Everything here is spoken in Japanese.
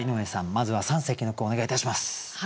まずは三席の句お願いいたします。